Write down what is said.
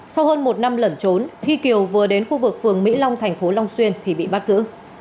sau hơn một năm lẩn trốn khi kiều vừa đến khu vực phường mỹ long thành phố long xuyên thì bị bắt giữ